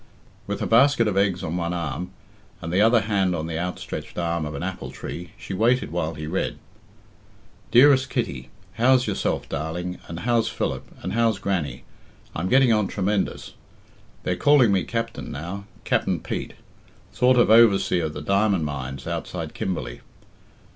With her basket of eggs on one arm, and the other hand on the outstretched arm of an apple tree, she waited while he read: "Dearest Kitty, How's yourself, darling, and how's Philip, and how's Grannie? I'm getting on tremendous. They're calling me Captain now Capt'n Pete. Sort of overseer at the Diamond Mines outside Kimberley.